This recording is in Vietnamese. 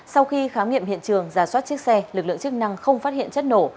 sau khi khám nghiệm hiện trường giả soát chiếc xe lực lượng chức năng không phát hiện chất nổ